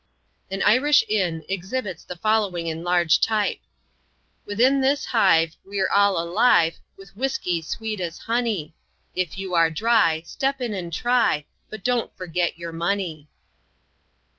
An Irish inn exhibits the following in large type: "Within this hive we're all alive, With whiskey sweet as honey; If you are dry, step in and try, But don't forget your money."